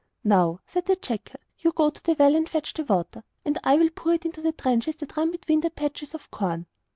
'Now,' said the jackal, 'you go to the well and fetch the water, and I will pour it into the trenches that run between the patches of corn.